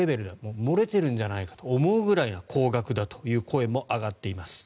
漏れてるんじゃないかと思うぐらいの高額だという声も上がっています。